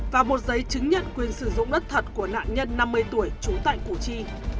và một giấy chứng nhận quyền sử dụng đất thật của nạn nhân năm mươi tuổi trú tại củ chi